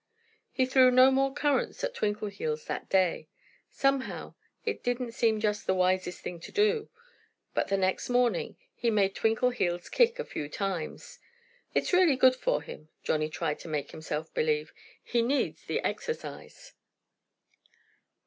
He threw no more currants at Twinkleheels that day. Somehow it didn't seem just the wisest thing to do. But the next morning he made Twinkleheels kick a few times. "It's really good for him," Johnnie tried to make himself believe. "He needs the exercise."